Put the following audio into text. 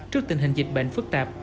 trước tình hình dịch bệnh phức tạp